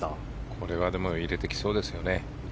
これは入れてきそうですね。